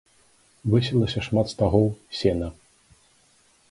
Высілася шмат стагоў сена.